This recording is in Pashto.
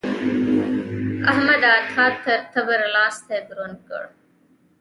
احمده! تا تر تبر؛ لاستی دروند کړ.